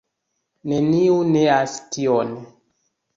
Neniu neas tion.